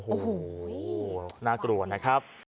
โอ้โหน่ากลัวนะครับ